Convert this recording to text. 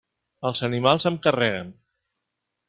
Els animals em carreguen.